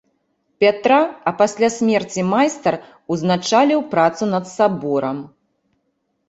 Пятра, а пасля смерці майстар узначаліў працу над саборам.